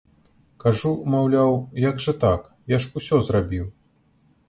Кажу, маўляў, як жа так, я ж усё зрабіў!